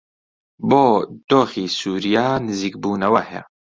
بۆ دۆخی سووریا نزیکبوونەوە هەیە